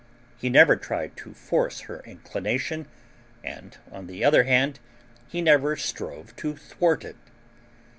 He never tried to force her inclination, and, on the other hand, he never strove to thwart it.